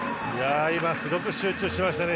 今、すごく集中していましたね。